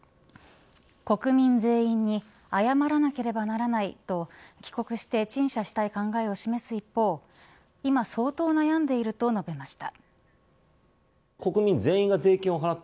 国民全員に謝らなければならないと帰国して陳謝したい考えを示す一方今、相当悩んでいると述べました。